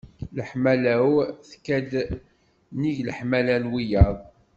Leḥmala-w tekka-d nnig leḥmala n wiyaḍ.